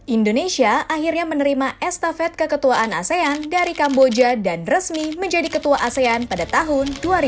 indonesia akhirnya menerima estafet keketuaan asean dari kamboja dan resmi menjadi ketua asean pada tahun dua ribu dua puluh